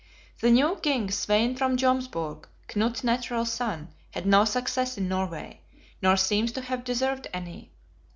The new King Svein from Jomsburg, Knut's natural son, had no success in Norway, nor seems to have deserved any.